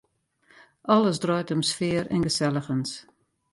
Alles draait om sfear en geselligens.